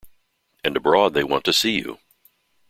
And abroad they want to see you.